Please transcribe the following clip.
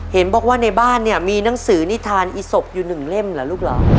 เห็นบอกว่าในบ้านเนี่ยมีหนังสือนิทานอีศพอยู่หนึ่งเล่มเหรอลูกเหรอ